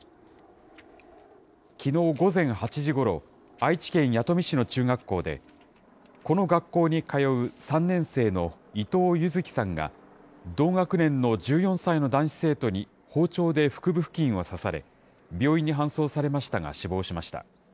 きのう午前８時ごろ、愛知県弥富市の中学校で、この学校に通う３年生の伊藤柚輝さんが、同学年の１４歳の男子生徒に包丁で腹部付近を刺され、病院に搬送されましたが、死亡しました。